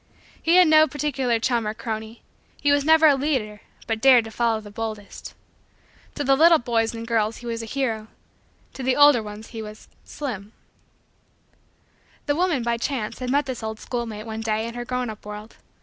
He had no particular chum or crony. He was never a leader but dared to follow the boldest. To the little boys and girls he was a hero; to the older ones he was "Slim." The woman, by chance, had met this old schoolmate, one day, in her grown up world.